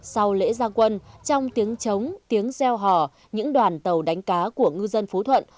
sau lễ gia quân trong tiếng chống tiếng reo hỏ những đoàn tàu đánh cá của ngư dân phú thuận